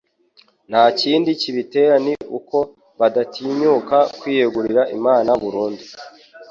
nta kindi kibitera ni uko badatinyuka kwiyegurira Imana burundu.